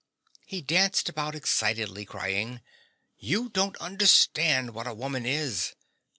(He dances about excitedly, crying.) You don't understand what a woman is.